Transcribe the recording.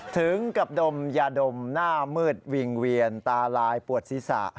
ถึงกับดมยาดมหน้ามืดวิ่งเวียนตาลายปวดศีรษะ